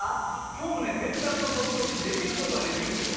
今日も洗濯の外干し、できることはできるんですよ。